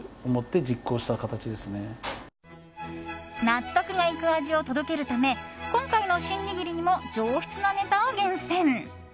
納得がいく味を届けるため今回のシン握りにも上質なネタを厳選。